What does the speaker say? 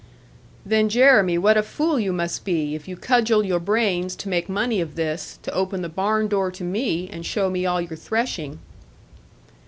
'Then, Jeremy, what a fool you must be, if you cudgel your brains to make money of this, to open the barn door to me, and show me all your threshing.'